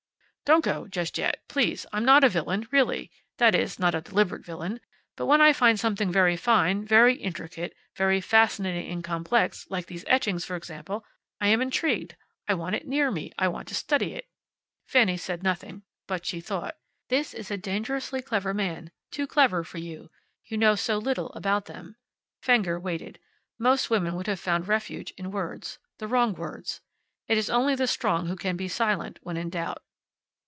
"Don't go just yet. Please. I'm not a villain. Really. That is, not a deliberate villain. But when I find something very fine, very intricate, very fascinating and complex like those etchings, for example I am intrigued. I want it near me. I want to study it." Fanny said nothing. But she thought, "This is a dangerously clever man. Too clever for you. You know so little about them." Fenger waited. Most women would have found refuge in words. The wrong words. It is only the strong who can be silent when in doubt.